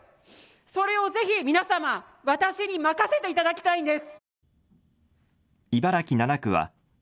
それをぜひ皆様、私に任せていただきたいんです。